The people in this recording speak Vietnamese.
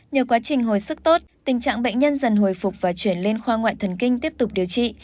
nhờ quá trình hồi sức tốt tình trạng bệnh nhân dần hồi phục và chuyển lên khoa ngoại thần kinh tiếp tục điều trị